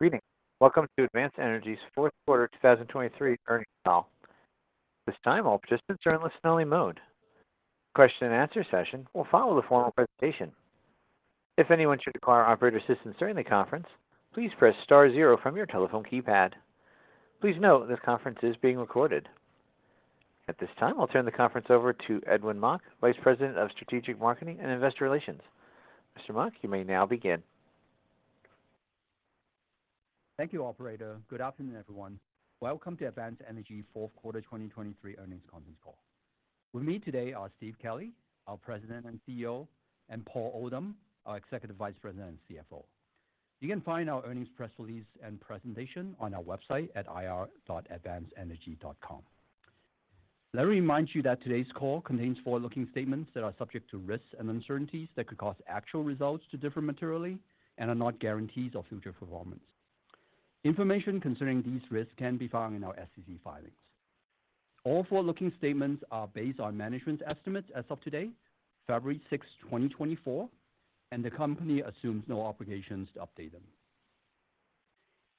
Greetings. Welcome to Advanced Energy's fourth quarter 2023 earnings call. This time, all participants are in listen-only mode. Question and answer session will follow the formal presentation. If anyone should require operator assistance during the conference, please press star zero from your telephone keypad. Please note, this conference is being recorded. At this time, I'll turn the conference over to Edwin Mok, Vice President of Strategic Marketing and Investor Relations. Mr. Mok, you may now begin. Thank you, operator. Good afternoon, everyone. Welcome to Advanced Energy fourth quarter 2023 earnings conference call. With me today are Steve Kelley, our President and CEO, and Paul Oldham, our Executive Vice President and CFO. You can find our earnings press release and presentation on our website at ir.advancedenergy.com. Let me remind you that today's call contains forward-looking statements that are subject to risks and uncertainties that could cause actual results to differ materially and are not guarantees of future performance. Information concerning these risks can be found in our SEC filings. All forward-looking statements are based on management estimates as of today, February sixth 2024, and the company assumes no obligations to update them.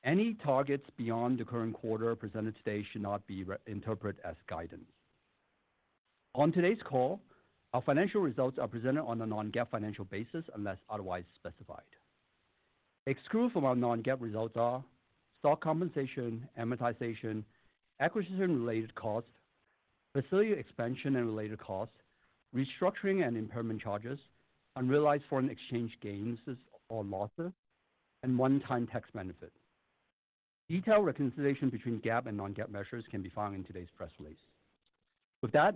Any targets beyond the current quarter presented today should not be reinterpreted as guidance. On today's call, our financial results are presented on a non-GAAP financial basis, unless otherwise specified. Excluded from our non-GAAP results are: stock compensation, amortization, acquisition-related costs, facility expansion and related costs, restructuring and impairment charges, unrealized foreign exchange gains or losses, and one-time tax benefit. Detailed reconciliation between GAAP and non-GAAP measures can be found in today's press release. With that,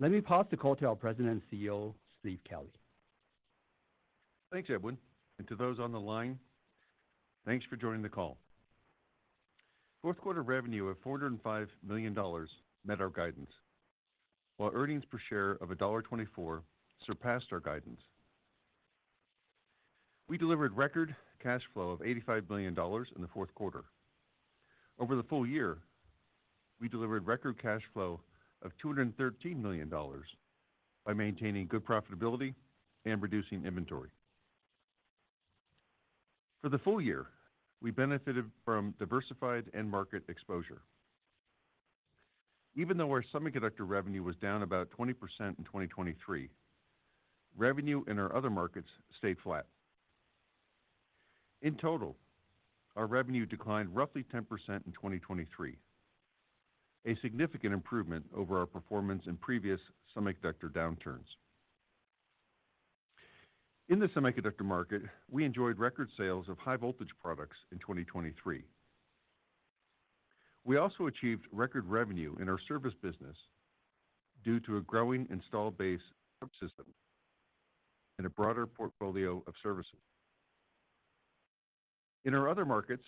let me pass the call to our President and CEO, Steve Kelley. Thanks Edwin, and to those on the line, thanks for joining the call. Fourth quarter revenue of $405 million met our guidance, while earnings per share of $1.24 surpassed our guidance. We delivered record cash flow of $85 million in the fourth quarter. Over the full year, we delivered record cash flow of $213 million by maintaining good profitability and reducing inventory. For the full year, we benefited from diversified end market exposure. Even though our semiconductor revenue was down about 20% in 2023, revenue in our other markets stayed flat. In total, our revenue declined roughly 10% in 2023, a significant improvement over our performance in previous semiconductor downturns. In the semiconductor market, we enjoyed record sales of high voltage products in 2023. We also achieved record revenue in our service business due to a growing installed base of systems and a broader portfolio of services. In our other markets,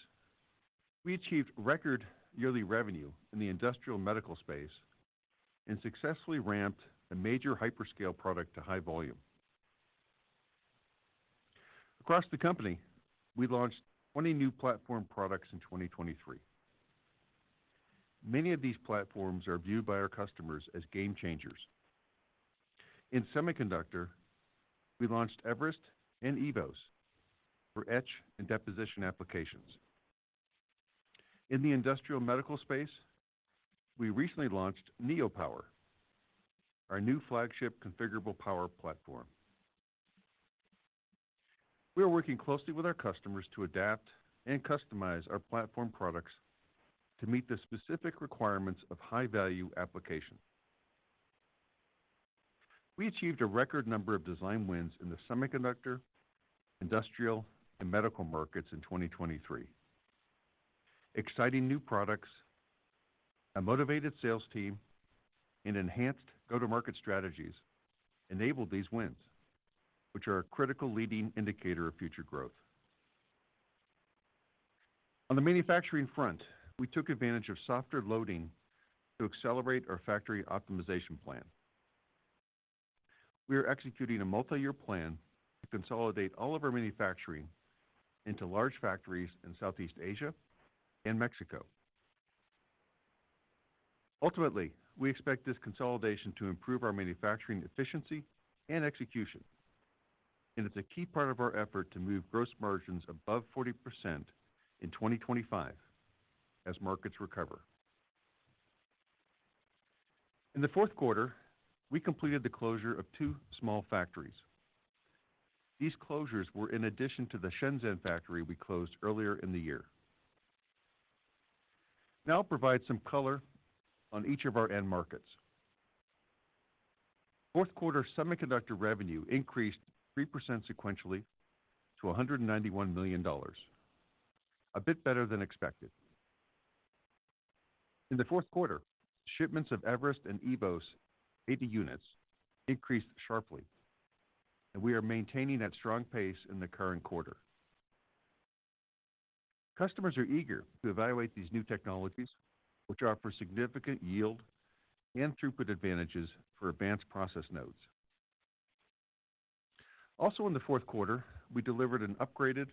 we achieved record yearly revenue in the industrial medical space and successfully ramped a major hyperscale product to high volume. Across the company, we launched 20 new platform products in 2023. Many of these platforms are viewed by our customers as game changers. In semiconductor, we launched eVerest and eVoS for etch and deposition applications. In the industrial medical space, we recently launched NeoPower, our new flagship configurable power platform. We are working closely with our customers to adapt and customize our platform products to meet the specific requirements of high-value applications. We achieved a record number of design wins in the semiconductor, industrial, and medical markets in 2023. Exciting new products, a motivated sales team, and enhanced go-to-market strategies enabled these wins, which are a critical leading indicator of future growth. On the manufacturing front, we took advantage of softer loading to accelerate our factory optimization plan. We are executing a multi-year plan to consolidate all of our manufacturing into large factories in Southeast Asia and Mexico. Ultimately, we expect this consolidation to improve our manufacturing efficiency and execution, and it's a key part of our effort to move gross margins above 40% in 2025 as markets recover. In the fourth quarter, we completed the closure of two small factories. These closures were in addition to the Shenzhen factory we closed earlier in the year. Now I'll provide some color on each of our end markets. Fourth quarter semiconductor revenue increased 3% sequentially to $191 million, a bit better than expected. In the fourth quarter, shipments of eVerest and eVoS AP units increased sharply, and we are maintaining that strong pace in the current quarter. Customers are eager to evaluate these new technologies, which offer significant yield and throughput advantages for advanced process nodes. Also in the fourth quarter, we delivered an upgraded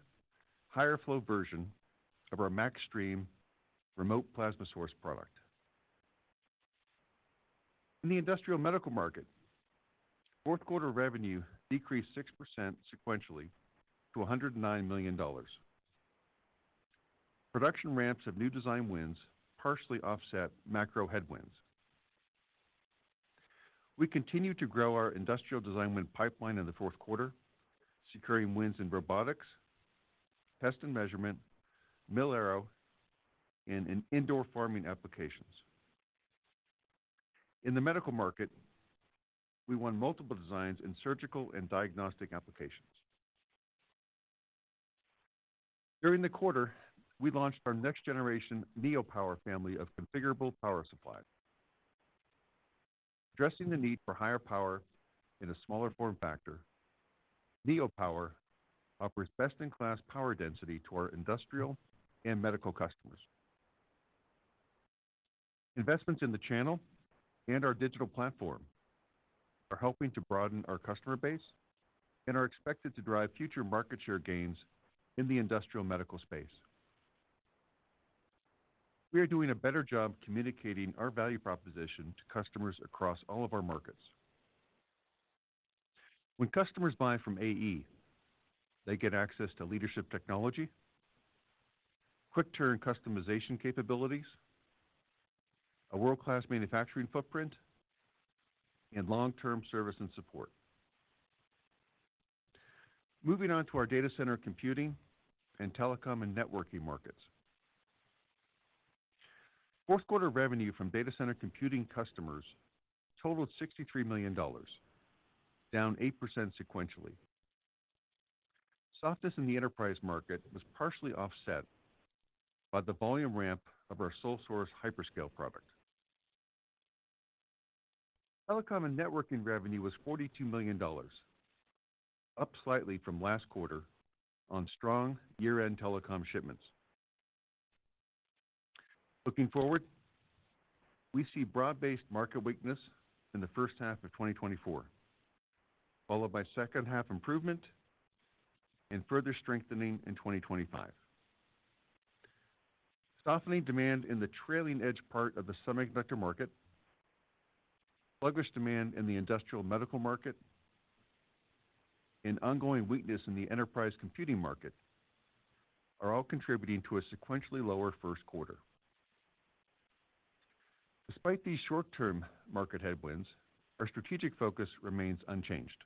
higher flow version of our MAXstream Remote Plasma Source product. In the industrial medical market, fourth quarter revenue decreased 6% sequentially to $109 million. Production ramps of new design wins partially offset macro headwinds. We continued to grow our industrial design win pipeline in the fourth quarter, securing wins in robotics, test and measurement, Mil-aero, and in indoor farming applications. In the medical market, we won multiple designs in surgical and diagnostic applications. During the quarter, we launched our next-generation NeoPower family of configurable power supplies. Addressing the need for higher power in a smaller form factor, NeoPower offers best-in-class power density to our industrial and medical customers. Investments in the channel and our digital platform are helping to broaden our customer base and are expected to drive future market share gains in the industrial medical space. We are doing a better job communicating our value proposition to customers across all of our markets. When customers buy from AE, they get access to leadership technology, quick turn customization capabilities, a world-class manufacturing footprint, and long-term service and support. Moving on to our data center computing and telecom and networking markets. Fourth quarter revenue from data center computing customers totaled $63 million, down 8% sequentially. Softness in the enterprise market was partially offset by the volume ramp of our sole source hyperscale product. Telecom and networking revenue was $42 million, up slightly from last quarter on strong year-end telecom shipments. Looking forward, we see broad-based market weakness in the first half of 2024, followed by second half improvement and further strengthening in 2025. Softening demand in the trailing edge part of the semiconductor market, sluggish demand in the industrial medical market, and ongoing weakness in the enterprise computing market, are all contributing to a sequentially lower first quarter. Despite these short-term market headwinds, our strategic focus remains unchanged.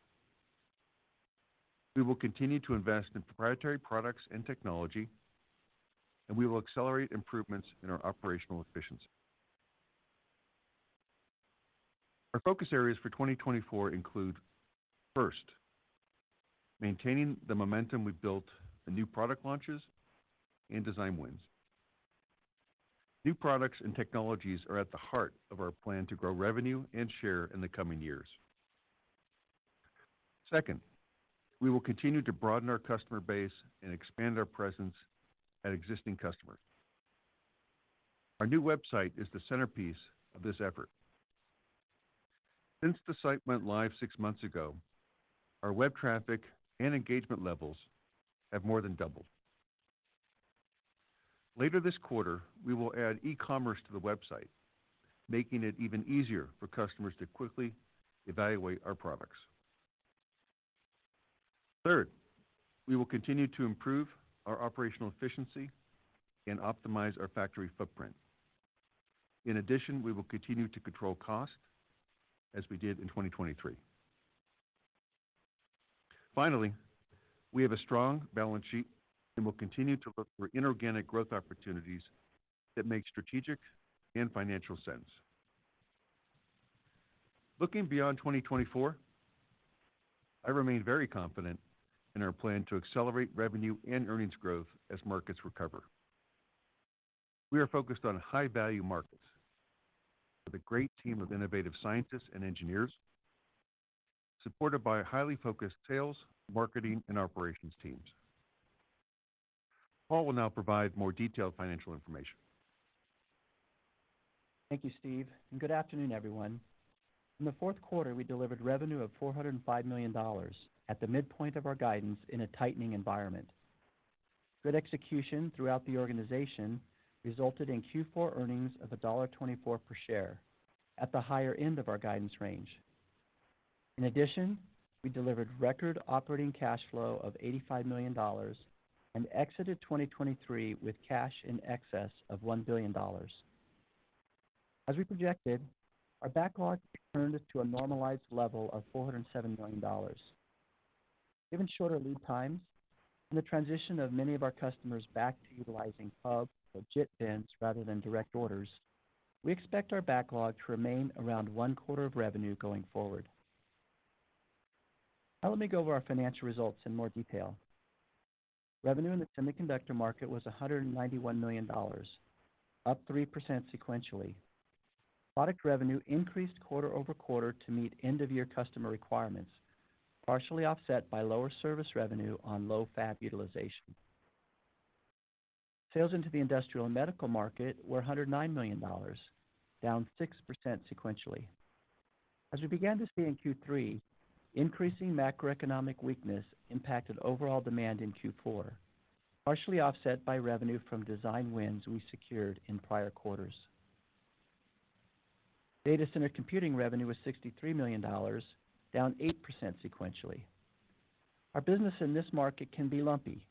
We will continue to invest in proprietary products and technology, and we will accelerate improvements in our operational efficiency. Our focus areas for 2024 include first, maintaining the momentum we've built in new product launches and design wins. New products and technologies are at the heart of our plan to grow revenue and share in the coming years. Second, we will continue to broaden our customer base and expand our presence at existing customers. Our new website is the centerpiece of this effort. Since the site went live six months ago, our web traffic and engagement levels have more than doubled. Later this quarter, we will add e-commerce to the website, making it even easier for customers to quickly evaluate our products. Third, we will continue to improve our operational efficiency and optimize our factory footprint. In addition, we will continue to control costs as we did in 2023. Finally, we have a strong balance sheet and will continue to look for inorganic growth opportunities that make strategic and financial sense. Looking beyond 2024, I remain very confident in our plan to accelerate revenue and earnings growth as markets recover. We are focused on high-value markets, with a great team of innovative scientists and engineers, supported by a highly focused sales, marketing, and operations teams. Paul will now provide more detailed financial information. Thank you, Steve, and good afternoon, everyone. In the fourth quarter, we delivered revenue of $405 million at the midpoint of our guidance in a tightening environment. Good execution throughout the organization resulted in Q4 earnings of $1.24 per share, at the higher end of our guidance range. In addition, we delivered record operating cash flow of $85 million and exited 2023 with cash in excess of $1 billion. As we projected, our backlog returned to a normalized level of $407 million. Given shorter lead times and the transition of many of our customers back to utilizing hub or JIT bins rather than direct orders, we expect our backlog to remain around one quarter of revenue going forward. Now, let me go over our financial results in more detail. Revenue in the semiconductor market was $191 million, up 3% sequentially. Product revenue increased quarter-over-quarter to meet end-of-year customer requirements, partially offset by lower service revenue on low fab utilization. Sales into the industrial and medical market were $109 million, down 6% sequentially. As we began to see in Q3, increasing macroeconomic weakness impacted overall demand in Q4, partially offset by revenue from design wins we secured in prior quarters. Data center computing revenue was $63 million, down 8% sequentially. Our business in this market can be lumpy,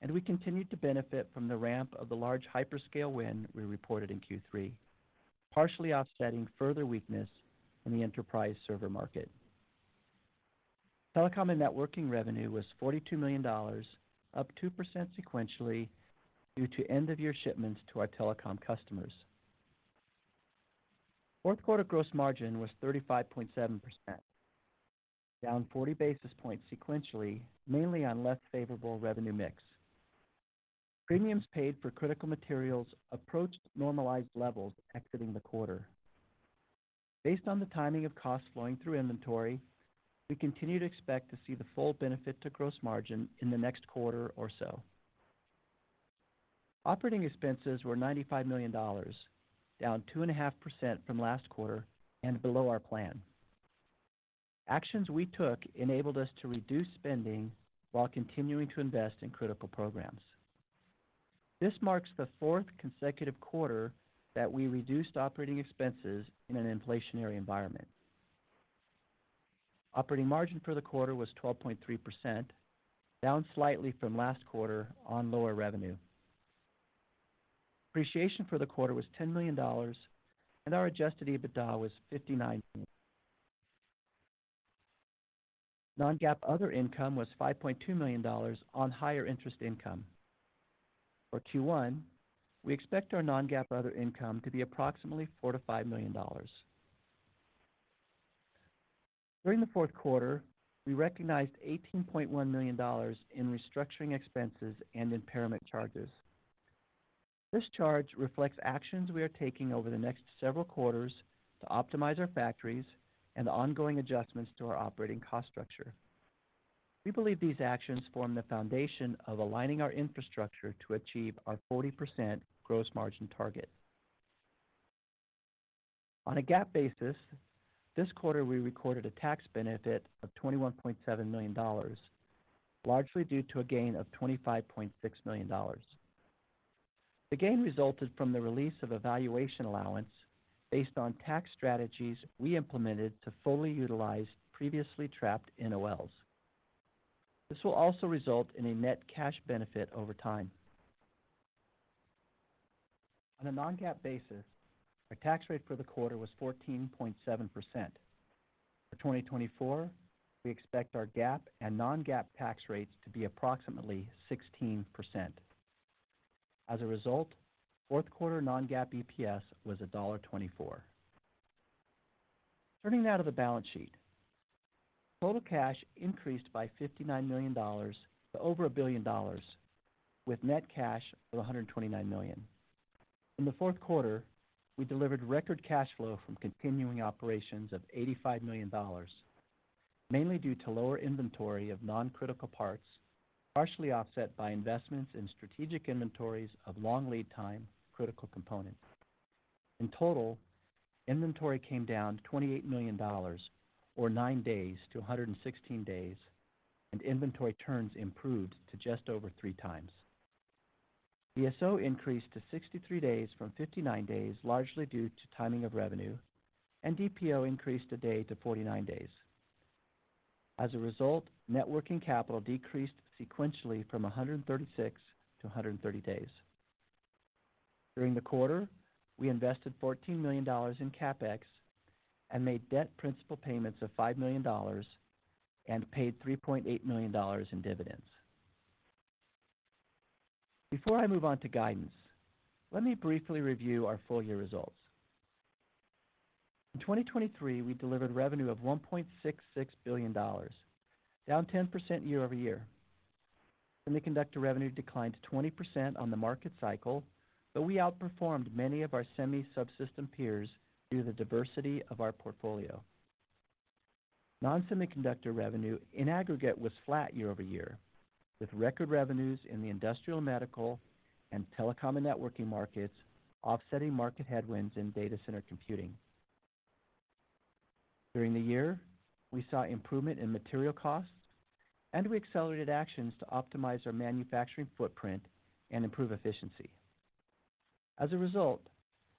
and we continued to benefit from the ramp of the large hyperscale win we reported in Q3, partially offsetting further weakness in the enterprise server market. Telecom and networking revenue was $42 million, up 2% sequentially, due to end-of-year shipments to our telecom customers. Fourth quarter gross margin was 35.7%, down 40 basis points sequentially, mainly on less favorable revenue mix. Premiums paid for critical materials approached normalized levels exiting the quarter. Based on the timing of costs flowing through inventory, we continue to expect to see the full benefit to gross margin in the next quarter or so. Operating expenses were $95 million, down 2.5% from last quarter and below our plan. Actions we took enabled us to reduce spending while continuing to invest in critical programs. This marks the fourth consecutive quarter that we reduced operating expenses in an inflationary environment. Operating margin for the quarter was 12.3%, down slightly from last quarter on lower revenue. Depreciation for the quarter was $10 million, and our adjusted EBITDA was $59 million. Non-GAAP other income was $5.2 million on higher interest income. For Q1, we expect our non-GAAP other income to be approximately $4 million-$5 million. During the fourth quarter, we recognized $18.1 million in restructuring expenses and impairment charges. This charge reflects actions we are taking over the next several quarters to optimize our factories and ongoing adjustments to our operating cost structure. We believe these actions form the foundation of aligning our infrastructure to achieve our 40% gross margin target. On a GAAP basis, this quarter, we recorded a tax benefit of $21.7 million, largely due to a gain of $25.6 million. The gain resulted from the release of a valuation allowance based on tax strategies we implemented to fully utilize previously trapped NOLs. This will also result in a net cash benefit over time. On a non-GAAP basis, our tax rate for the quarter was 14.7%. For 2024, we expect our GAAP and non-GAAP tax rates to be approximately 16%. As a result, fourth quarter non-GAAP EPS was $1.24. Turning now to the balance sheet. Total cash increased by $59 million to over $1 billion, with net cash of $129 million. In the fourth quarter, we delivered record cash flow from continuing operations of $85 million, mainly due to lower inventory of non-critical parts, partially offset by investments in strategic inventories of long lead time critical components. In total, inventory came down $28 million or 9 days to 116 days, and inventory turns improved to just over 3 times. DSO increased to 63 days from 59 days, largely due to timing of revenue, and DPO increased a day to 49 days. As a result, net working capital decreased sequentially from 136 to 130 days. During the quarter, we invested $14 million in CapEx and made debt principal payments of $5 million and paid $3.8 million in dividends. Before I move on to guidance, let me briefly review our full year results. In 2023, we delivered revenue of $1.66 billion, down 10% year-over-year. Semiconductor revenue declined to 20% on the market cycle, but we outperformed many of our semi subsystem peers due to the diversity of our portfolio. Non-semiconductor revenue, in aggregate, was flat year over year, with record revenues in the industrial, medical, and telecom and networking markets offsetting market headwinds in data center computing. During the year, we saw improvement in material costs, and we accelerated actions to optimize our manufacturing footprint and improve efficiency. As a result,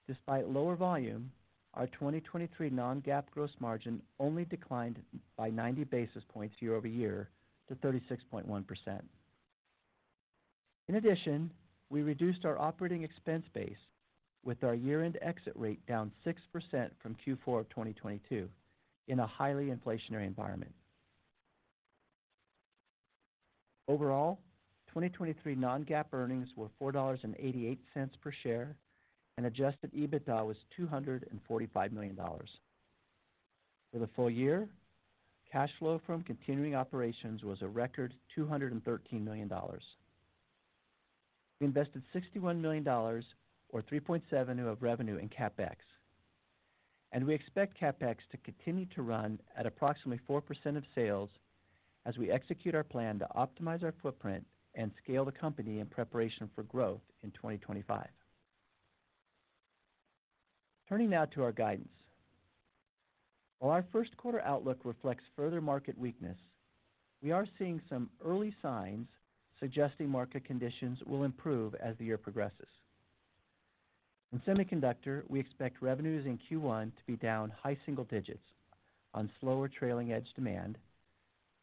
despite lower volume, our 2023 non-GAAP gross margin only declined by 90 basis points year over year to 36.1%. In addition, we reduced our operating expense base with our year-end exit rate down 6% from Q4 of 2022 in a highly inflationary environment. Overall, 2023 non-GAAP earnings were $4.88 per share, and adjusted EBITDA was $245 million. For the full year, cash flow from continuing operations was a record $213 million. We invested $61 million or 3.7% of revenue in CapEx, and we expect CapEx to continue to run at approximately 4% of sales as we execute our plan to optimize our footprint and scale the company in preparation for growth in 2025. Turning now to our guidance. While our first quarter outlook reflects further market weakness, we are seeing some early signs suggesting market conditions will improve as the year progresses. In Semiconductor, we expect revenues in Q1 to be down high single digits on slower trailing-edge demand,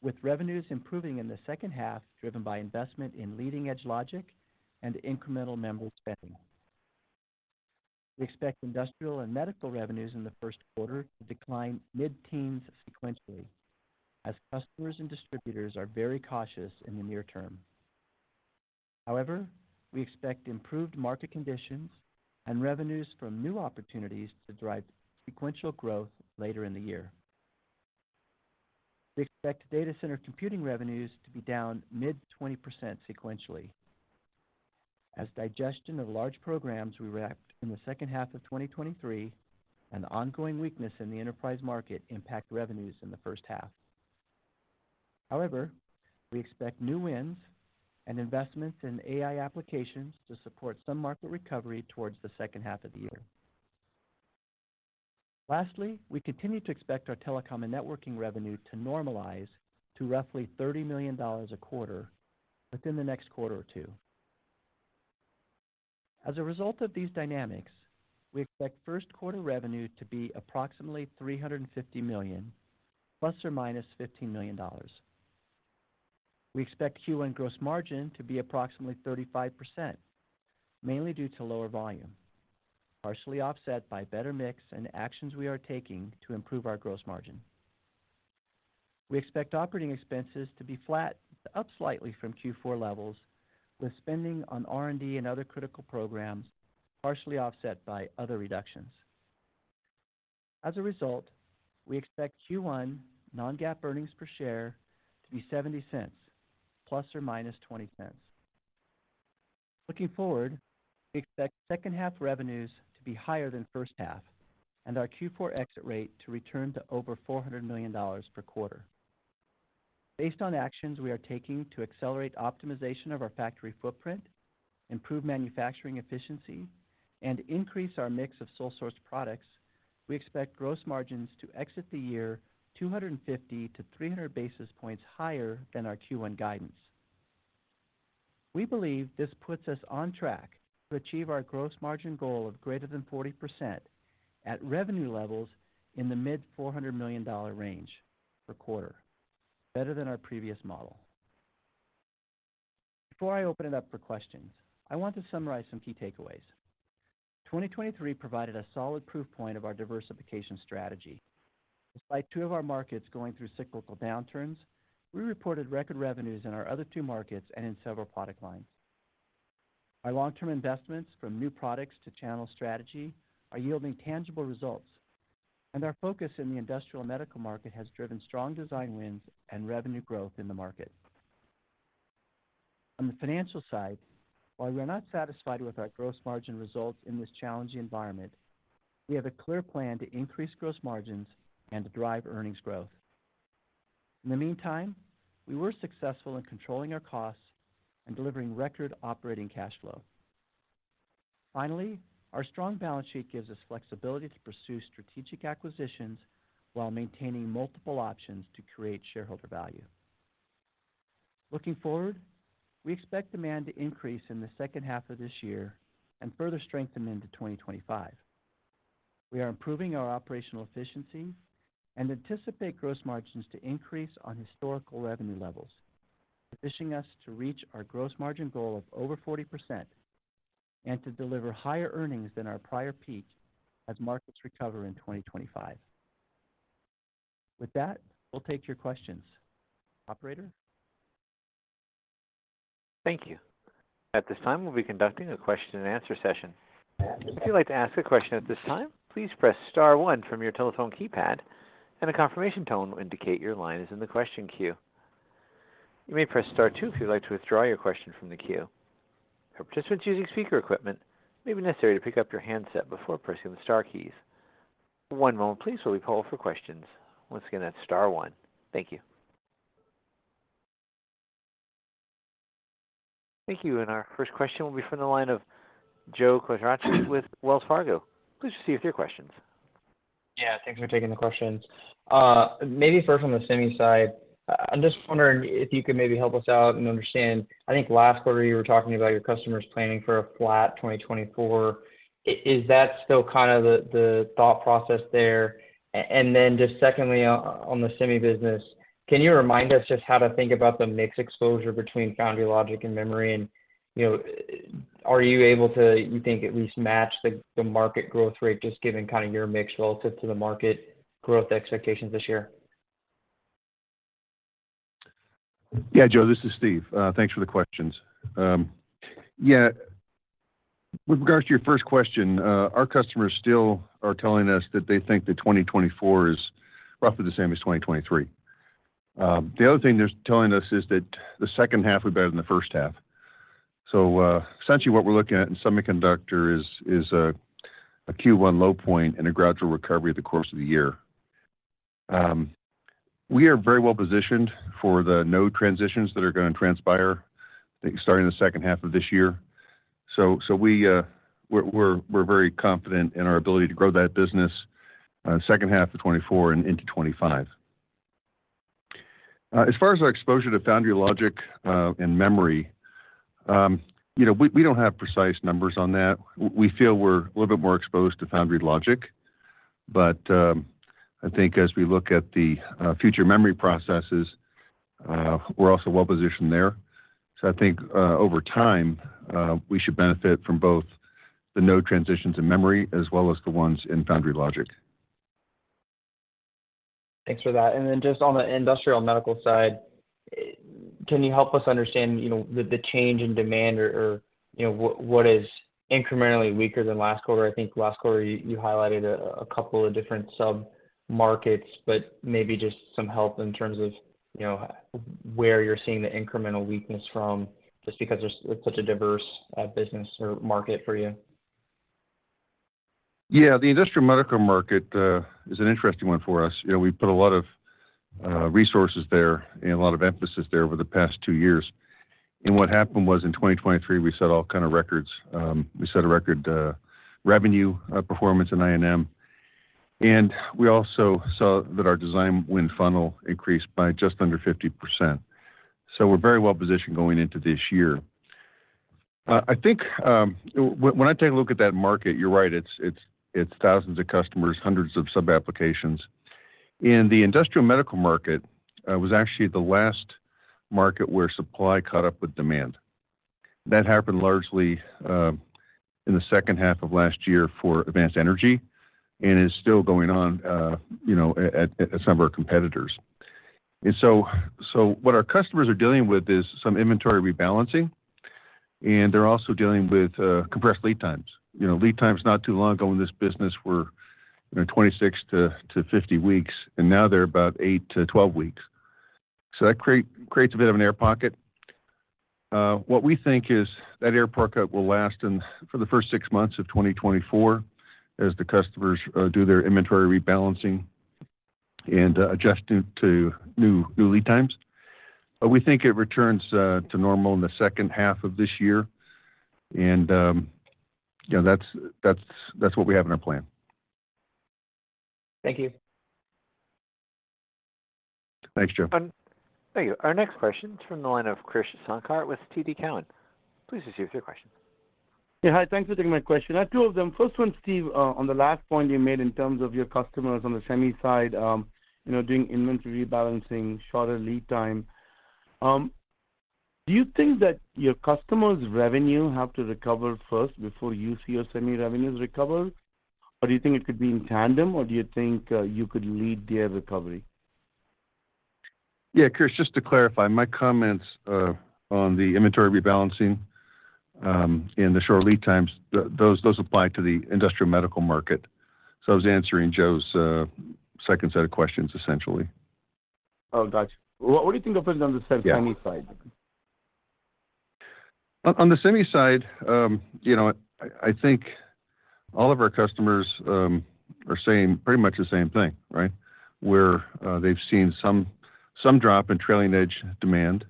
with revenues improving in the second half, driven by investment in leading-edge logic and incremental memory spending. We expect industrial and medical revenues in the first quarter to decline mid-teens sequentially, as customers and distributors are very cautious in the near term. However, we expect improved market conditions and revenues from new opportunities to drive sequential growth later in the year. We expect data center computing revenues to be down mid 20% sequentially, as digestion of large programs we wrapped in the second half of 2023 and the ongoing weakness in the enterprise market impact revenues in the first half. However, we expect new wins and investments in AI applications to support some market recovery towards the second half of the year. Lastly, we continue to expect our telecom and networking revenue to normalize to roughly $30 million a quarter within the next quarter or two. As a result of these dynamics, we expect first quarter revenue to be approximately $350 million, ± $15 million. We expect Q1 gross margin to be approximately 35%, mainly due to lower volume, partially offset by better mix and actions we are taking to improve our gross margin. We expect operating expenses to be flat, up slightly from Q4 levels, with spending on R&D and other critical programs, partially offset by other reductions. As a result, we expect Q1 non-GAAP earnings per share to be $0.70 ± $0.20. Looking forward, we expect second half revenues to be higher than first half and our Q4 exit rate to return to over $400 million per quarter. Based on actions we are taking to accelerate optimization of our factory footprint, improve manufacturing efficiency, and increase our mix of sole source products, we expect gross margins to exit the year 250-300 basis points higher than our Q1 guidance. We believe this puts us on track to achieve our gross margin goal of greater than 40% at revenue levels in the mid $400 million range per quarter, better than our previous model. Before I open it up for questions, I want to summarize some key takeaways. 2023 provided a solid proof point of our diversification strategy. Despite two of our markets going through cyclical downturns, we reported record revenues in our other two markets and in several product lines. Our long-term investments, from new products to channel strategy, are yielding tangible results, and our focus in the industrial medical market has driven strong design wins and revenue growth in the market. On the financial side, while we are not satisfied with our gross margin results in this challenging environment, we have a clear plan to increase gross margins and to drive earnings growth. In the meantime, we were successful in controlling our costs and delivering record operating cash flow. Finally, our strong balance sheet gives us flexibility to pursue strategic acquisitions while maintaining multiple options to create shareholder value. Looking forward, we expect demand to increase in the second half of this year and further strengthen into 2025. We are improving our operational efficiency and anticipate gross margins to increase on historical revenue levels, positioning us to reach our gross margin goal of over 40% and to deliver higher earnings than our prior peak as markets recover in 2025. With that, we'll take your questions. Operator? Thank you. At this time, we'll be conducting a question and answer session. If you'd like to ask a question at this time, please press Star One from your telephone keypad, and a confirmation tone will indicate your line is in the question queue. You may press Star Two if you'd like to withdraw your question from the queue. For participants using speaker equipment, it may be necessary to pick up your handset before pressing the star keys. One moment please, while we call for questions. Once again, that's Star One. Thank you. Thank you. Our first question will be from the line of Joe Quatrochi with Wells Fargo. Please proceed with your questions. Yeah, thanks for taking the questions. Maybe first on the semi side, I'm just wondering if you could maybe help us out and understand. I think last quarter you were talking about your customers planning for a flat 2024. Is that still kind of the, the thought process there? And then just secondly, on the semi business, can you remind us just how to think about the mix exposure between Foundry Logic and memory? And, you know, are you able to, you think, at least match the, the market growth rate, just given kind of your mix relative to the market growth expectations this year? Yeah, Joe, this is Steve. Thanks for the questions. Yeah, with regards to your first question, our customers still are telling us that they think that 2024 is roughly the same as 2023. The other thing they're telling us is that the second half will be better than the first half. So essentially, what we're looking at in semiconductor is a Q1 low point and a gradual recovery over the course of the year. We are very well positioned for the node transitions that are going to transpire, I think, starting the second half of this year. So, we're very confident in our ability to grow that business, second half of 2024 and into 2025. As far as our exposure to Foundry Logic, and memory, you know, we, we don't have precise numbers on that. We, we feel we're a little bit more exposed to Foundry Logic, but, I think as we look at the, future memory processes, we're also well positioned there. So I think, over time, we should benefit from both the node transitions in memory as well as the ones in Foundry Logic. Thanks for that. And then just on the industrial medical side, can you help us understand, you know, the change in demand or, you know, what is incrementally weaker than last quarter? I think last quarter you highlighted a couple of different submarkets, but maybe just some help in terms of, you know, where you're seeing the incremental weakness from, just because it's such a diverse business or market for you. Yeah, the industrial medical market is an interesting one for us. You know, we put a lot of resources there and a lot of emphasis there over the past 2 years. What happened was, in 2023, we set all kind of records. We set a record revenue performance in INM, and we also saw that our design win funnel increased by just under 50%. So we're very well positioned going into this year. I think, when I take a look at that market, you're right, it's thousands of customers, hundreds of sub-applications. In the industrial medical market was actually the last market where supply caught up with demand. That happened largely in the second half of last year for Advanced Energy and is still going on, you know, at some of our competitors. So what our customers are dealing with is some inventory rebalancing, and they're also dealing with compressed lead times. You know, lead times, not too long ago in this business were you know, 26-50 weeks, and now they're about 8-12 weeks. So that creates a bit of an air pocket. What we think is that air pocket will last for the first six months of 2024, as the customers do their inventory rebalancing and adjust to new lead times. We think it returns to normal in the second half of this year, and, you know, that's what we have in our plan. Thank you. Thanks, Joe. Thank you. Our next question is from the line of Krish Sankar with TD Cowen. Please proceed with your question. Yeah, hi, thanks for taking my question. I have two of them. First one, Steve, on the last point you made in terms of your customers on the semi side, you know, doing inventory rebalancing, shorter lead time. Do you think that your customers' revenue have to recover first before you see your semi revenues recover, or do you think it could be in tandem, or do you think you could lead their recovery? Yeah, Krish, just to clarify, my comments on the inventory rebalancing and the short lead times, those apply to the industrial medical market. So I was answering Joe's second set of questions, essentially. Oh, got you. What, what do you think of it on the semi side? On the semi side, you know what? I think all of our customers are saying pretty much the same thing, right? Where they've seen some drop in trailing edge demand,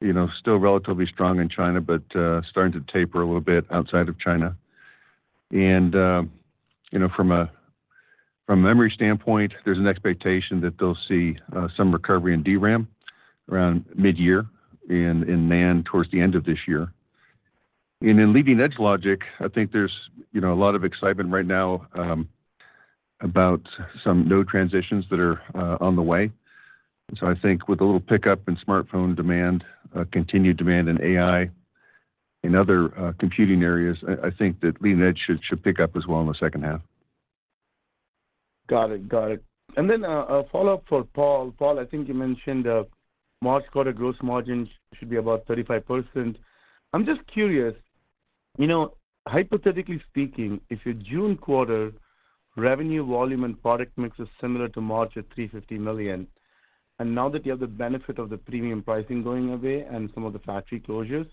you know, still relatively strong in China, but starting to taper a little bit outside of China. And you know, from a memory standpoint, there's an expectation that they'll see some recovery in DRAM around midyear and in NAND towards the end of this year. And in leading edge logic, I think there's you know, a lot of excitement right now about some node transitions that are on the way. And so I think with a little pickup in smartphone demand, continued demand in AI and other computing areas, I think that leading edge should pick up as well in the second half. Got it. Got it. And then, a follow-up for Paul. Paul, I think you mentioned the March quarter gross margin should be about 35%. I'm just curious, you know, hypothetically speaking, if your June quarter revenue, volume, and product mix is similar to March at $350 million, and now that you have the benefit of the premium pricing going away and some of the factory closures,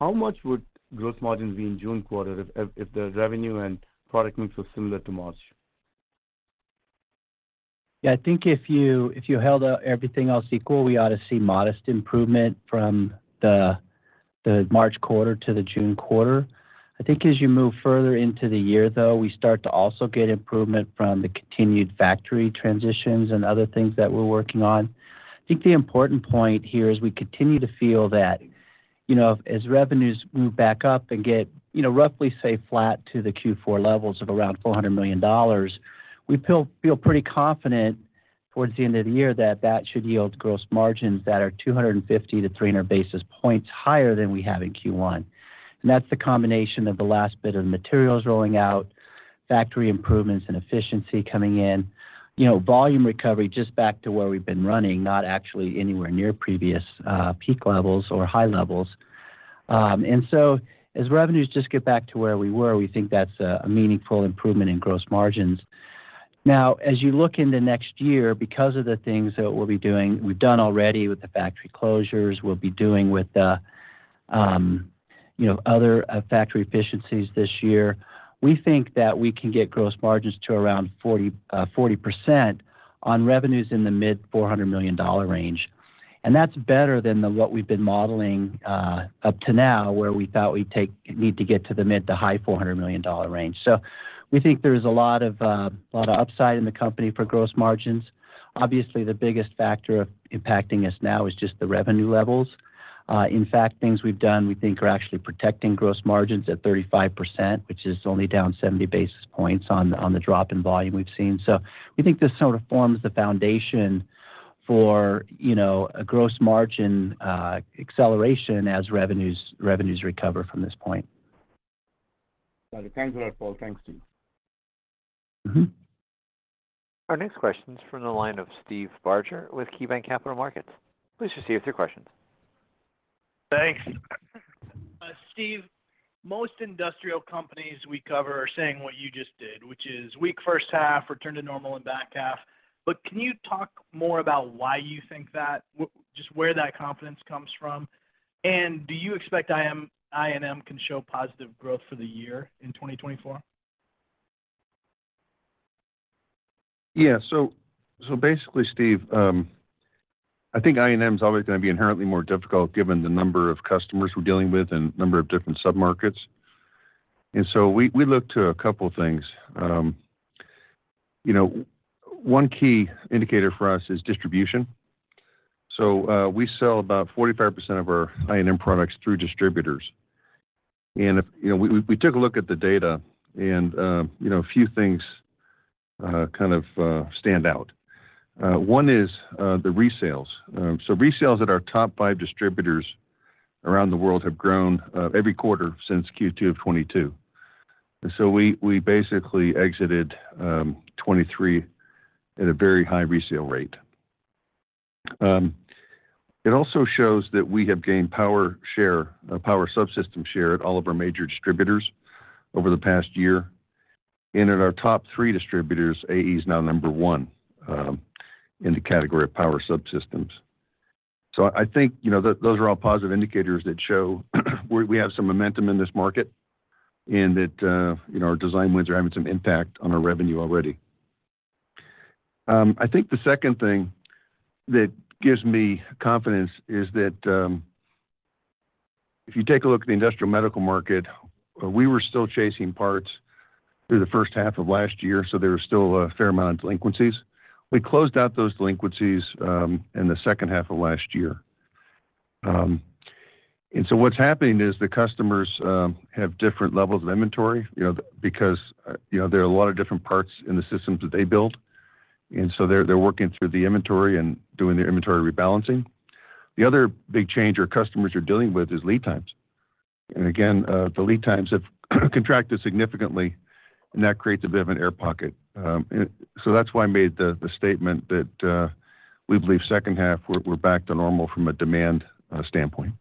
how much would gross margins be in June quarter if the revenue and product mix were similar to March? Yeah, I think if you, if you held everything else equal, we ought to see modest improvement from the, the March quarter to the June quarter. I think as you move further into the year, though, we start to also get improvement from the continued factory transitions and other things that we're working on. I think the important point here is we continue to feel that, you know, as revenues move back up and get, you know, roughly say flat to the Q4 levels of around $400 million, we feel, feel pretty confident towards the end of the year that that should yield gross margins that are 250-300 basis points higher than we have in Q1. And that's the combination of the last bit of materials rolling out, factory improvements and efficiency coming in. You know, volume recovery just back to where we've been running, not actually anywhere near previous peak levels or high levels. And so as revenues just get back to where we were, we think that's a meaningful improvement in gross margins. Now, as you look in the next year, because of the things that we'll be doing, we've done already with the factory closures, we'll be doing with the you know, other factory efficiencies this year, we think that we can get gross margins to around 40%, 40% on revenues in the mid $400 million range. And that's better than what we've been modeling up to now, where we thought we'd need to get to the mid to high $400 million range. So we think there's a lot of a lot of upside in the company for gross margins. Obviously, the biggest factor impacting us now is just the revenue levels. In fact, things we've done, we think are actually protecting gross margins at 35%, which is only down 70 basis points on the drop in volume we've seen. So we think this sort of forms the foundation for, you know, a gross margin acceleration as revenues revenues recover from this point. Got it. Thanks a lot, Paul. Thanks, team. Mm-hmm. Our next question is from the line of Steve Barger with KeyBanc Capital Markets. Please proceed with your questions. Thanks. Steve, most industrial companies we cover are saying what you just did, which is weak first half, return to normal and back half. But can you talk more about why you think that? Just where that confidence comes from? And do you expect INM can show positive growth for the year in 2024? Yeah, so basically, Steve, I think INM is always going to be inherently more difficult given the number of customers we're dealing with and number of different submarkets. So we look to a couple of things. You know, one key indicator for us is distribution. So we sell about 45% of our INM products through distributors. And, you know, we took a look at the data and you know, a few things kind of stand out. One is the resales. So resales at our top five distributors around the world have grown every quarter since Q2 of 2022. So we basically exited 2023 at a very high resale rate. It also shows that we have gained power share, power subsystem share at all of our major distributors over the past year. And at our top three distributors, AE is now number one in the category of power subsystems. So I think, you know, those are all positive indicators that show we, we have some momentum in this market and that, you know, our design wins are having some impact on our revenue already. I think the second thing that gives me confidence is that, if you take a look at the industrial medical market, we were still chasing parts through the first half of last year, so there was still a fair amount of delinquencies. We closed out those delinquencies in the second half of last year. And so what's happening is the customers have different levels of inventory, you know, because, you know, there are a lot of different parts in the systems that they build. And so they're, they're working through the inventory and doing their inventory rebalancing. The other big change our customers are dealing with is lead times. And again, the lead times have contracted significantly, and that creates a bit of an air pocket. So that's why I made the, the statement that, we believe second half, we're, we're back to normal from a demand standpoint.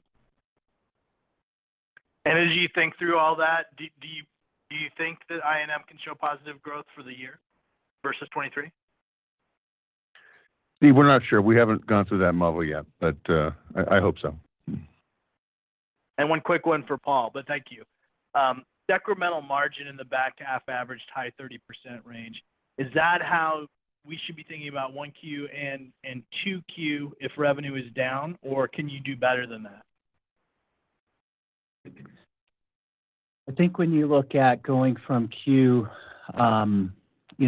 As you think through all that, do you think that INM can show positive growth for the year versus 2023? Steve, we're not sure. We haven't gone through that model yet, but I hope so. One quick one for Paul, but thank you. Decremental margin in the back half averaged high 30% range. Is that how we should be thinking about 1Q and 2Q if revenue is down, or can you do better than that? I think when you look at going from Q, you know,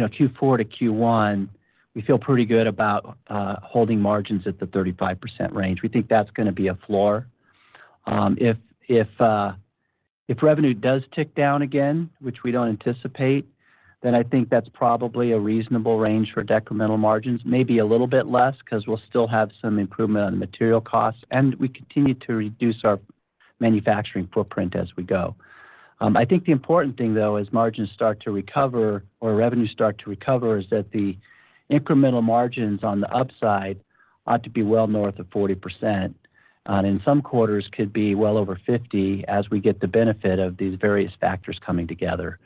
Q4 to Q1, we feel pretty good about holding margins at the 35% range. We think that's going to be a floor. If revenue does tick down again, which we don't anticipate, then I think that's probably a reasonable range for decremental margins, maybe a little bit less, because we'll still have some improvement on material costs, and we continue to reduce our manufacturing footprint as we go. I think the important thing, though, as margins start to recover or revenue start to recover, is that the incremental margins on the upside ought to be well north of 40%, and in some quarters, could be well over 50% as we get the benefit of these various factors coming together.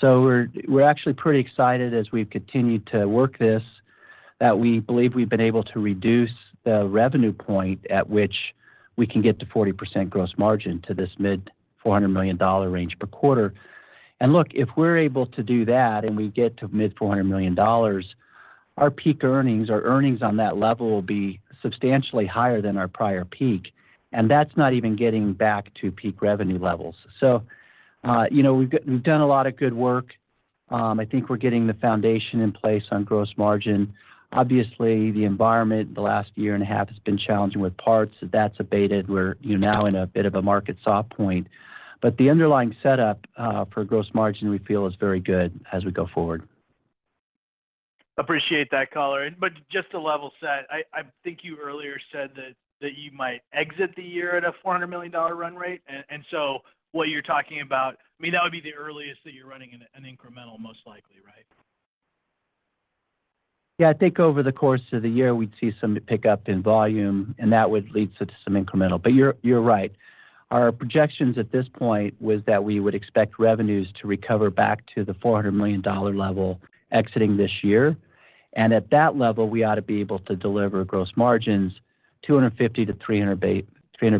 So we're, we're actually pretty excited as we've continued to work this, that we believe we've been able to reduce the revenue point at which we can get to 40% gross margin to this mid $400 million range per quarter. And look, if we're able to do that and we get to mid $400 million, our peak earnings, our earnings on that level will be substantially higher than our prior peak, and that's not even getting back to peak revenue levels. So, you know, we've got, we've done a lot of good work. I think we're getting the foundation in place on gross margin. Obviously, the environment the last year and a half has been challenging with parts. If that's abated, we're, you know, now in a bit of a market soft point. But the underlying setup for gross margin, we feel is very good as we go forward. Appreciate that, Paul. But just to level set, I think you earlier said that you might exit the year at a $400 million run rate. And so what you're talking about, I mean, that would be the earliest that you're running in an incremental, most likely, right? Yeah, I think over the course of the year, we'd see some pick up in volume, and that would lead to some incremental. But you're, you're right. Our projections at this point was that we would expect revenues to recover back to the $400 million level exiting this year. And at that level, we ought to be able to deliver gross margins 250-300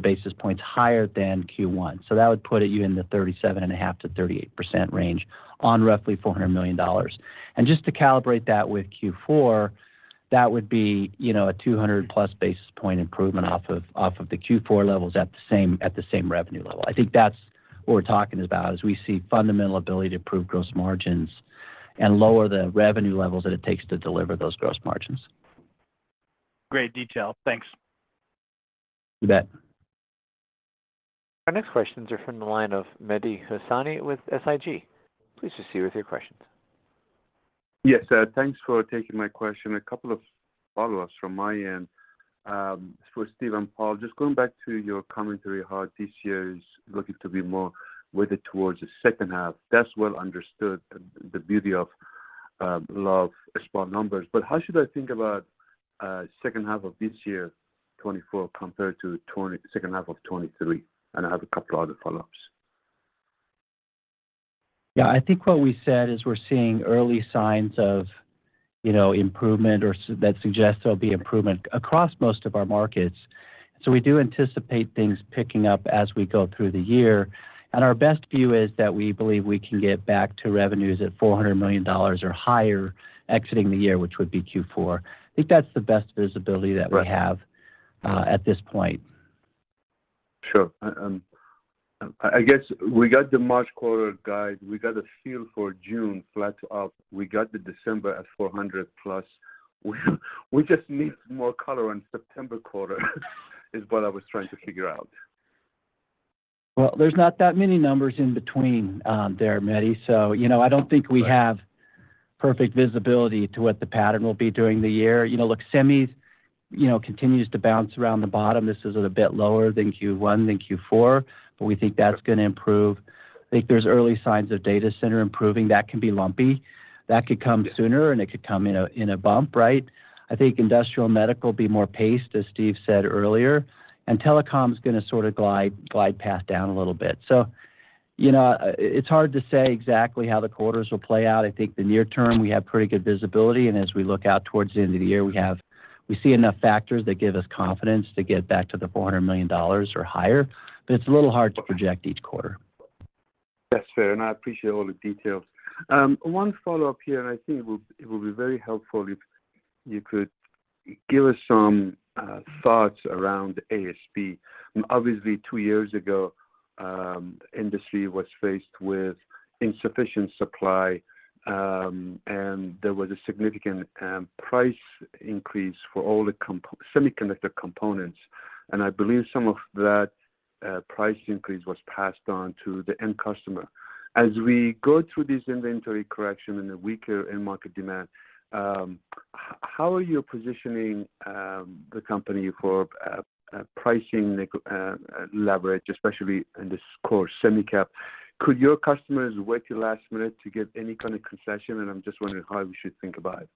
basis points higher than Q1. So that would put you in the 37.5%-38% range on roughly $400 million. And just to calibrate that with Q4, that would be, you know, a 200+ basis point improvement off of, off of the Q4 levels at the same, at the same revenue level. I think that's what we're talking about, is we see fundamental ability to improve gross margins and lower the revenue levels that it takes to deliver those gross margins. Great detail. Thanks. You bet. Our next questions are from the line of Mehdi Hosseini with SIG. Please proceed with your questions. Yes, thanks for taking my question. A couple of follow-ups from my end, for Steve and Paul. Just going back to your commentary, how this year is looking to be more weighted towards the second half. That's well understood, the beauty of, law of spot numbers. But how should I think about, second half of this year, 2024, compared to twenty second half of 2023? And I have a couple other follow-ups. Yeah, I think what we said is we're seeing early signs of, you know, improvement or that suggests there'll be improvement across most of our markets. So we do anticipate things picking up as we go through the year, and our best view is that we believe we can get back to revenues at $400 million or higher exiting the year, which would be Q4. I think that's the best visibility that we have, at this point. Sure. I guess we got the March quarter guide. We got a feel for June, flat to up. We got the December at 400+. We just need more color on September quarter, is what I was trying to figure out. Well, there's not that many numbers in between, there, Mehdi. So, you know, I don't think we have perfect visibility to what the pattern will be during the year. You know, look semis, you know, continues to bounce around the bottom. This is a bit lower than Q1 than Q4, but we think that's gonna improve. I think there's early signs of data center improving. That can be lumpy. That could come sooner, and it could come in a, in a bump, right? I think industrial medical will be more paced, as Steve said earlier, and telecom's gonna sort of glide, glide path down a little bit. So, you know, it's hard to say exactly how the quarters will play out. I think the near term, we have pretty good visibility, and as we look out towards the end of the year, we have, we see enough factors that give us confidence to get back to the $400 million or higher, but it's a little hard to project each quarter. That's fair, and I appreciate all the details. One follow-up here, and I think it will, it will be very helpful if you could give us some thoughts around ASP. Obviously, two years ago, industry was faced with insufficient supply, and there was a significant price increase for all the semiconductor components, and I believe some of that price increase was passed on to the end customer. As we go through this inventory correction and the weaker end market demand, how are you positioning the company for pricing negotiation leverage, especially in this core semi cap? Could your customers wait to last minute to get any kind of concession, and I'm just wondering how we should think about it.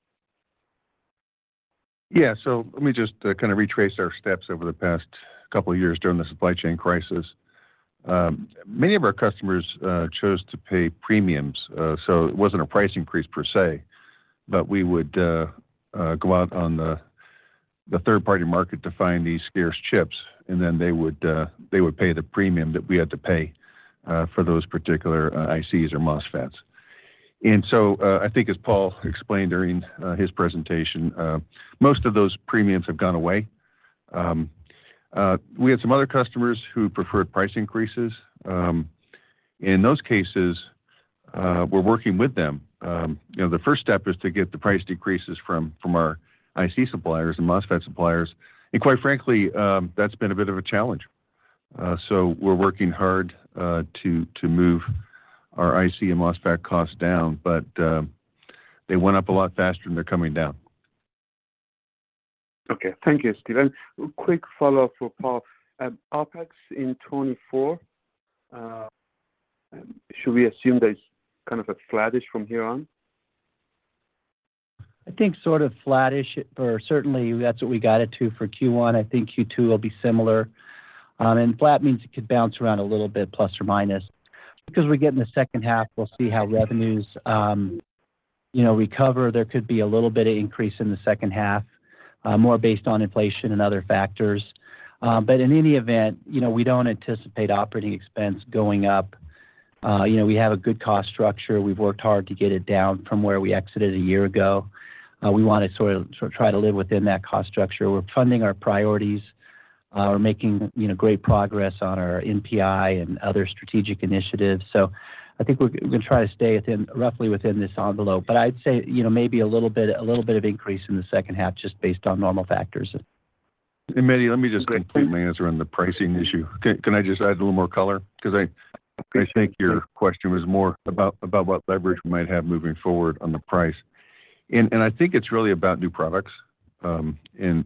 Yeah. So let me just, kind of retrace our steps over the past couple of years during the supply chain crisis. Many of our customers chose to pay premiums, so it wasn't a price increase per se, but we would go out on the third-party market to find these scarce chips, and then they would pay the premium that we had to pay for those particular ICs or MOSFETs. And so, I think as Paul explained during his presentation, most of those premiums have gone away. We had some other customers who preferred price increases. In those cases, we're working with them. You know, the first step is to get the price decreases from our IC suppliers and MOSFET suppliers, and quite frankly, that's been a bit of a challenge. So we're working hard to move our IC and MOSFET costs down, but they went up a lot faster than they're coming down. Okay. Thank you, Steve. Quick follow-up for Paul. OpEx in 2024, should we assume that it's kind of a flattish from here on? I think sort of flattish, or certainly that's what we got it to for Q1. I think Q2 will be similar. And flat means it could bounce around a little bit, plus or minus. Because we're getting the second half, we'll see how revenues, you know, recover. There could be a little bit of increase in the second half, more based on inflation and other factors. But in any event, you know, we don't anticipate operating expense going up. You know, we have a good cost structure. We've worked hard to get it down from where we exited a year ago. We wanna sort of, sort of try to live within that cost structure. We're funding our priorities. We're making, you know, great progress on our NPI and other strategic initiatives, so I think we're gonna try to stay within, roughly within this envelope. But I'd say, you know, maybe a little bit, a little bit of increase in the second half, just based on normal factors. And Mehdi, let me just complete my answer on the pricing issue. Can I just add a little more color? Because I think your question was more about what leverage we might have moving forward on the price. And I think it's really about new products in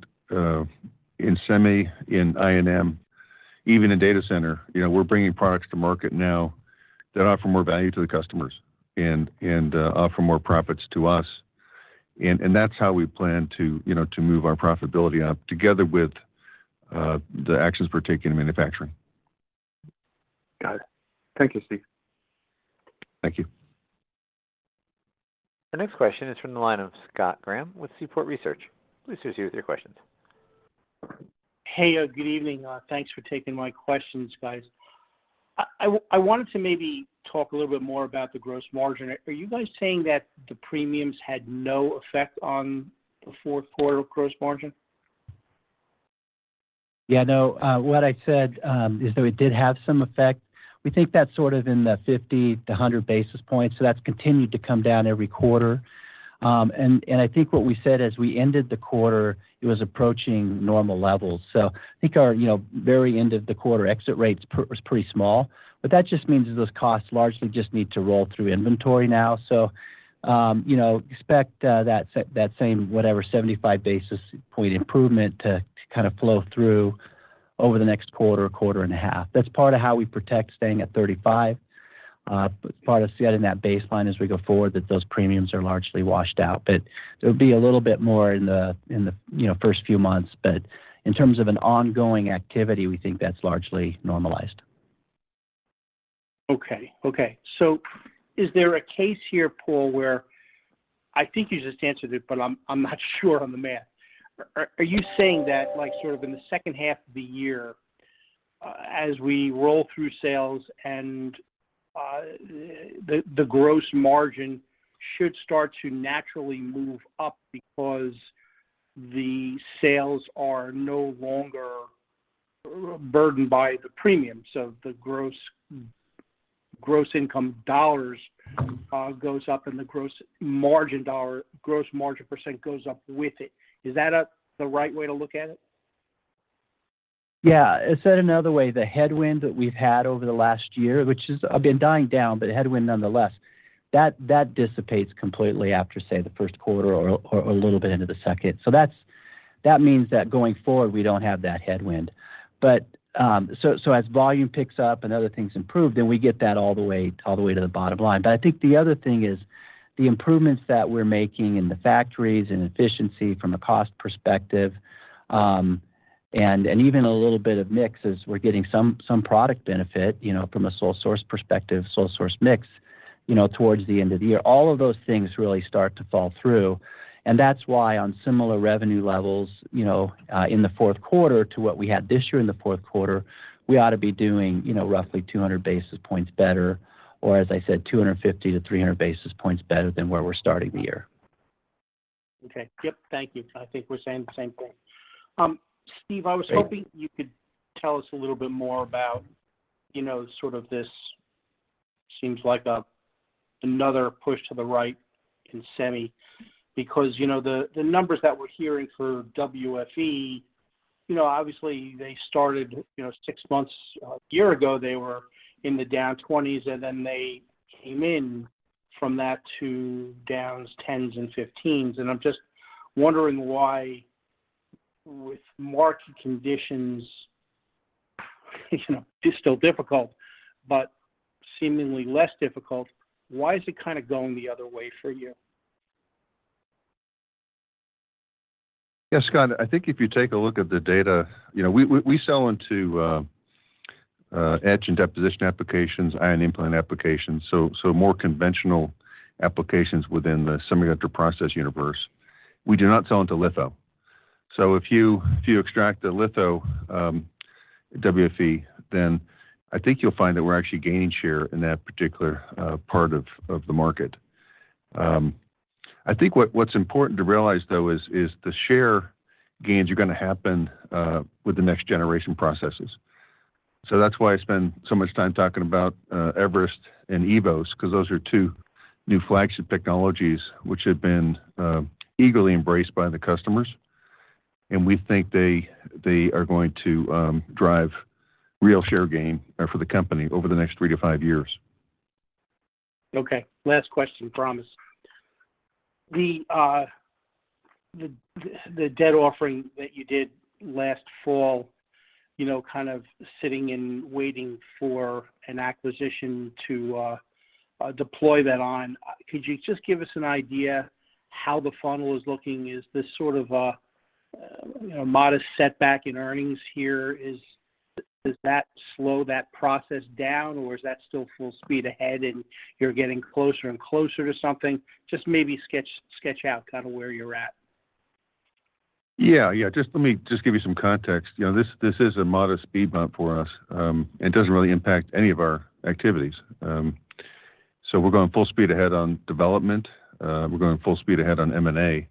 semi in I&M, even in data center. You know, we're bringing products to market now that offer more value to the customers and offer more profits to us. And that's how we plan to, you know, to move our profitability up together with the actions we're taking in manufacturing. Got it. Thank you, Steve. Thank you. The next question is from the line of Scott Graham with Seaport Research. Please proceed with your questions. Hey, good evening. Thanks for taking my questions, guys. I wanted to maybe talk a little bit more about the gross margin. Are you guys saying that the premiums had no effect on the fourth quarter gross margin? Yeah, no, what I said is that it did have some effect. We think that's sort of in the 50-100 basis points, so that's continued to come down every quarter. And I think what we said as we ended the quarter, it was approaching normal levels. So I think our, you know, very end of the quarter exit rates was pretty small, but that just means that those costs largely just need to roll through inventory now. So, you know, expect that same, whatever, 75 basis point improvement to kind of flow through over the next quarter, quarter and a half. That's part of how we protect staying at 35, part of setting that baseline as we go forward, that those premiums are largely washed out. But there'll be a little bit more in the, you know, first few months, but in terms of an ongoing activity, we think that's largely normalized. Okay. Okay, so is there a case here, Paul, where... I think you just answered it, but I'm not sure on the math. Are you saying that, like, sort of in the second half of the year, as we roll through sales and the gross margin should start to naturally move up because the sales are no longer burdened by the premiums, so the gross income dollars goes up and the gross margin dollar, gross margin percent goes up with it. Is that the right way to look at it? Yeah. I'd say another way, the headwind that we've had over the last year, which has been dying down, but a headwind nonetheless, that dissipates completely after, say, the first quarter or a little bit into the second. So that's that means that going forward, we don't have that headwind. But so as volume picks up and other things improve, then we get that all the way, all the way to the bottom line. But I think the other thing is the improvements that we're making in the factories and efficiency from a cost perspective, and even a little bit of mix as we're getting some product benefit, you know, from a sole source perspective, sole source mix, you know, towards the end of the year. All of those things really start to fall through, and that's why on similar revenue levels, you know, in the fourth quarter to what we had this year in the fourth quarter, we ought to be doing, you know, roughly 200 basis points better, or as I said, 250-300 basis points better than where we're starting the year. Okay. Yep. Thank you. I think we're saying the same thing. Steve- Hey. I was hoping you could tell us a little bit more about, you know, sort of this seems like a, another push to the right in semi, because you know the, the numbers that we're hearing for WFE, you know, obviously they started, you know six months, a year ago, they were in the down 20s, and then they came in from that to down 10s and 15s. And I'm just wondering why, with market conditions, you know, still difficult, but seemingly less difficult, why is it kind of going the other way for you? Yeah, Scott, I think if you take a look at the data, you know, we sell into etch and deposition applications, ion implant applications, so more conventional applications within the semiconductor process universe. We do not sell into litho. So if you extract the litho WFE, then I think you'll find that we're actually gaining share in that particular part of the market. I think what's important to realize, though, is the share gains are gonna happen with the next generation processes. So that's why I spend so much time talking about eVerest and eVoS, 'cause those are two new flagship technologies which have been eagerly embraced by the customers, and we think they are going to drive real share gain for the company over the next three to five years. Okay, last question, promise. The debt offering that you did last fall, you know, kind of sitting and waiting for an acquisition to deploy that on, could you just give us an idea how the funnel is looking? Is this sort of a, you know, modest setback in earnings here, is—does that slow that process down, or is that still full speed ahead, and you're getting closer and closer to something? Just maybe sketch, sketch out kind of where you're at? Yeah. Yeah, just let me just give you some context. You know, this, this is a modest speed bump for us, and doesn't really impact any of our activities. So we're going full speed ahead on development. We're going full speed ahead on M&A,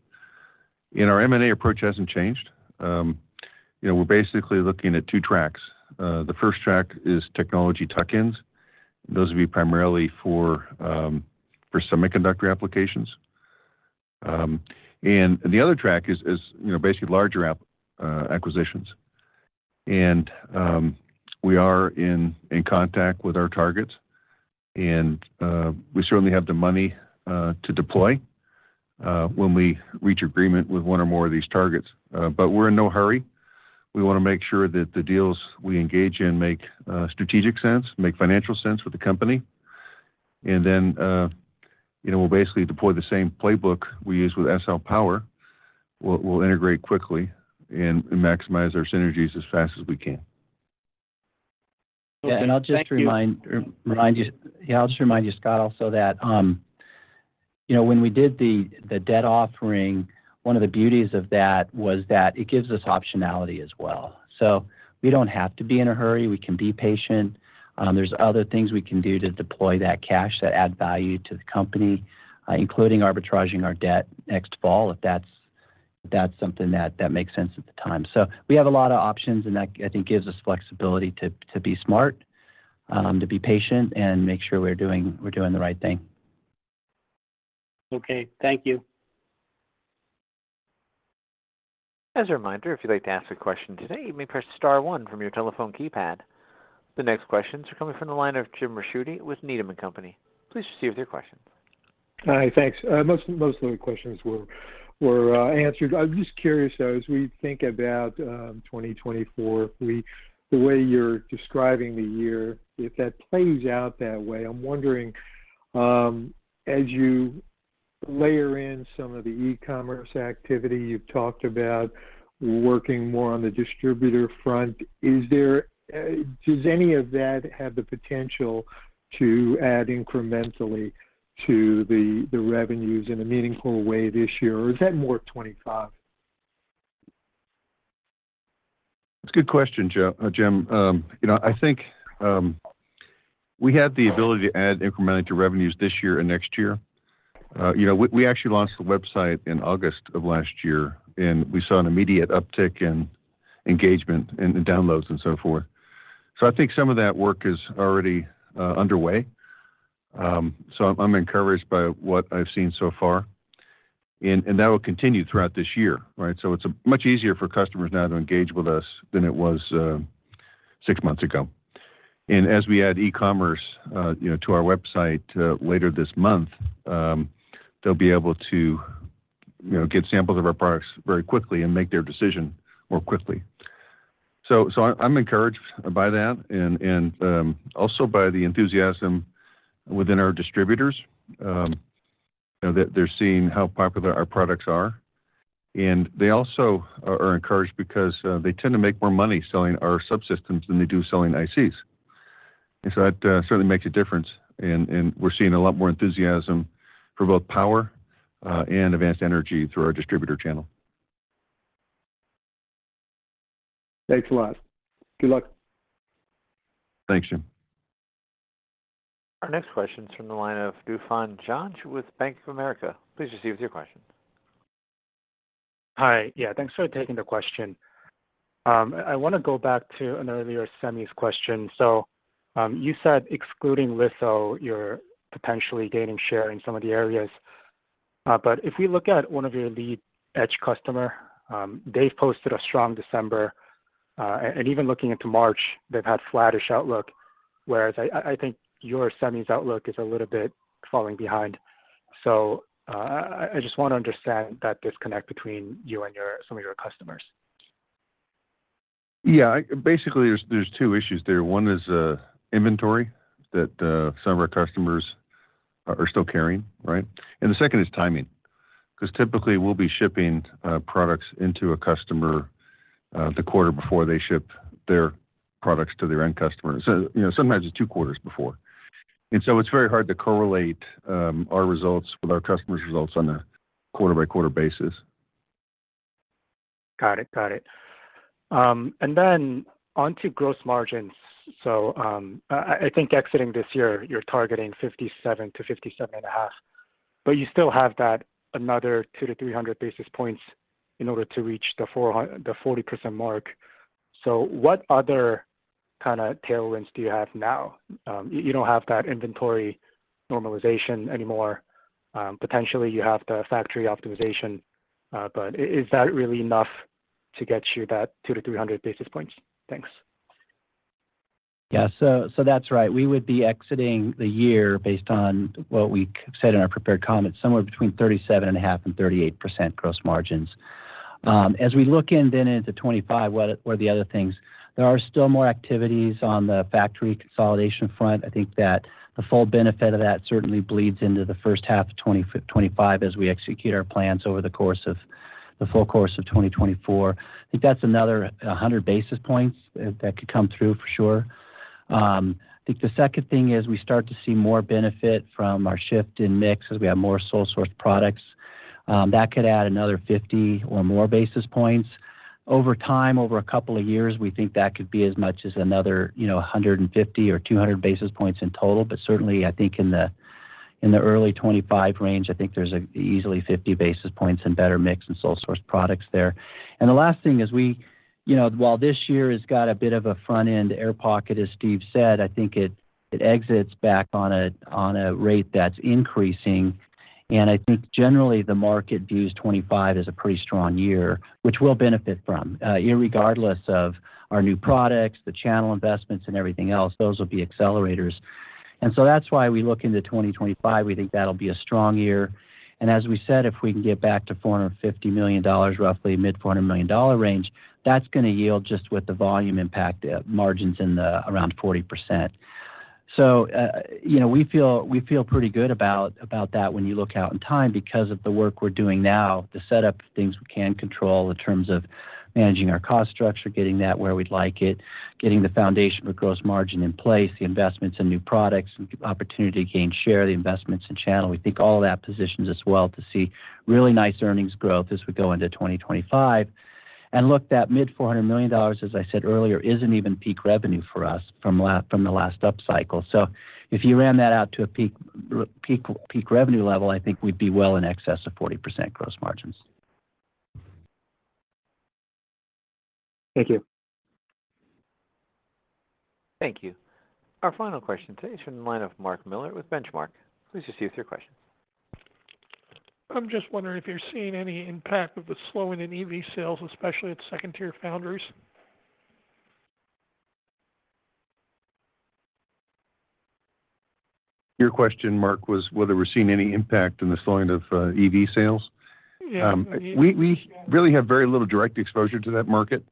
and our M&A approach hasn't changed. You know, we're basically looking at two tracks. The first track is technology tuck-ins. Those would be primarily for, for semiconductor applications. And the other track is, is, you know, basically larger app, acquisitions. And, we are in, in contact with our targets, and we certainly have the money, to deploy, when we reach agreement with one or more of these targets. But we're in no hurry. We wanna make sure that the deals we engage in make, strategic sense, make financial sense for the company. And then, you know, we'll basically deploy the same playbook we use with SL Power. We'll integrate quickly and maximize our synergies as fast as we can. Yeah, and I'll just remind you, Scott, also that, you know, when we did the debt offering, one of the beauties of that was that it gives us optionality as well. So we don't have to be in a hurry. We can be patient. There's other things we can do to deploy that cash that add value to the company, including arbitraging our debt next fall, if that's something that makes sense at the time. So we have a lot of options, and that, I think, gives us flexibility to be smart, to be patient, and make sure we're doing the right thing. Okay. Thank you. As a reminder, if you'd like to ask a question today, you may press star one from your telephone keypad. The next question is coming from the line of Jim Ricchiuti with Needham & Company. Please proceed with your question. Hi, thanks. Most of the questions were answered. I'm just curious, though, as we think about 2024, the way you're describing the year, if that plays out that way, I'm wondering, as you layer in some of the e-commerce activity, you've talked about working more on the distributor front, is there does any of that have the potential to add incrementally to the revenues in a meaningful way this year, or is that more 2025? That's a good question, Jim. You know, I think we have the ability to add incrementally to revenues this year and next year. You know, we actually launched the website in August of last year, and we saw an immediate uptick in engagement and the downloads and so forth. So I think some of that work is already underway. So I'm encouraged by what I've seen so far, and that will continue throughout this year, right? So it's much easier for customers now to engage with us than it was six months ago. And as we add e-commerce to our website later this month, they'll be able to get samples of our products very quickly and make their decision more quickly. So, I'm encouraged by that and, also by the enthusiasm within our distributors, that they're seeing how popular our products are. And they also are encouraged because, they tend to make more money selling our subsystems than they do selling ICs. And so that, certainly makes a difference, and, we're seeing a lot more enthusiasm for both power, and Advanced Energy through our distributor channel. Thanks a lot. Good luck. Thanks, Jim. Our next question is from the line of Duksan Jang with Bank of America. Please proceed with your question. Hi. Yeah, thanks for taking the question. I want to go back to an earlier semis question. So, you said excluding Litho, you're potentially gaining share in some of the areas. But if we look at one of your leading-edge customer, they've posted a strong December, and even looking into March, they've had flattish outlook, whereas I think your semis outlook is a little bit falling behind. So, I just want to understand that disconnect between you and your, some of your customers. Yeah, basically, there's two issues there. One is inventory that some of our customers are still carrying, right? And the second is timing, because typically, we'll be shipping products into a customer the quarter before they ship their products to their end customers. So you know, sometimes it's two quarters before. And so it's very hard to correlate our results with our customers' results on a quarter-by-quarter basis. Got it. Got it. Then on to gross margins. So, I think exiting this year, you're targeting 57%-57.5%, but you still have that another 200-300 basis points in order to reach the 40% mark. So what other kind of tailwinds do you have now? You don't have that inventory normalization anymore. Potentially, you have the factory optimization, but is that really enough to get you that 200-300 basis points? Thanks. Yeah, so, so that's right. We would be exiting the year based on what we said in our prepared comments, somewhere between 37.5% and 38% gross margins. As we look in then into 2025, what were the other things? There are still more activities on the factory consolidation front. I think that the full benefit of that certainly bleeds into the first half of 2025 as we execute our plans over the course of the full course of 2024. I think that's another 100 basis points that, that could come through for sure. I think the second thing is we start to see more benefit from our shift in mix as we have more sole-source products. That could add another 50 or more basis points. Over time, over a couple of years, we think that could be as much as another, you know, 150 or 200 basis points in total. But certainly, I think in the, in the early 2025 range, I think there's easily 50 basis points and better mix and sole source products there. And the last thing is we, you know, while this year has got a bit of a front-end air pocket, as Steve said, I think it, it exits back on a, on a rate that's increasing. And I think generally, the market views 2025 as a pretty strong year, which we'll benefit from. Regardless of our new products, the channel investments, and everything else, those will be accelerators. And so that's why we look into 2025, we think that'll be a strong year. As we said, if we can get back to $450 million, roughly mid $400 million range, that's going to yield just with the volume impact, margins in the around 40%. So, you know, we feel, we feel pretty good about, about that when you look out in time, because of the work we're doing now to set up things we can control in terms of managing our cost structure, getting that where we'd like it, getting the foundation for gross margin in place, the investments in new products, and opportunity to gain share, the investments in channel. We think all of that positions us well to see really nice earnings growth as we go into 2025. And look, that mid $400 million, as I said earlier, isn't even peak revenue for us from last—from the last upcycle. So if you ran that out to a peak, peak, peak revenue level, I think we'd be well in excess of 40% gross margins. Thank you. Thank you. Our final question today is from the line of Mark Miller with Benchmark. Please proceed with your question. I'm just wondering if you're seeing any impact with the slowing in EV sales, especially at second-tier foundries? Your question, Mark, was whether we're seeing any impact in the slowing of EV sales? Yeah. We really have very little direct exposure to that market.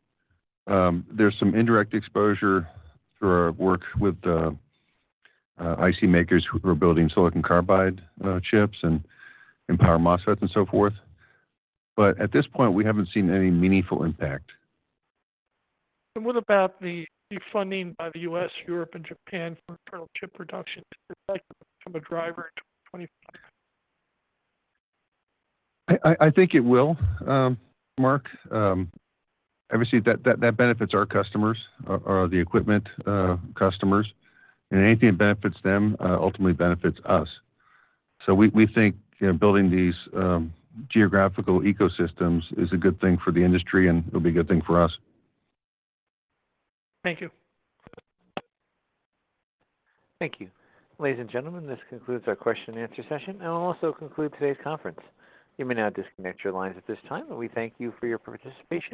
There's some indirect exposure through our work with the IC makers who are building silicon carbide chips and power MOSFETs and so forth. But at this point, we haven't seen any meaningful impact. What about the funding by the U.S., Europe, and Japan for internal chip production? Is that like, become a driver in 2025? I think it will, Mark. Obviously, that benefits our customers or the equipment customers, and anything that benefits them ultimately benefits us. So we think, you know, building these geographical ecosystems is a good thing for the industry, and it'll be a good thing for us. Thank you. Thank you. Ladies and gentlemen, this concludes our question and answer session, and it will also conclude today's conference. You may now disconnect your lines at this time, and we thank you for your participation.